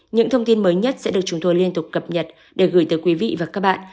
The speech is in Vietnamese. những thông tin mới nhất sẽ được chúng tôi liên tục cập nhật để gửi tới quý vị và các bạn